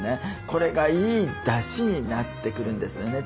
これがいいだしになってくるんですよね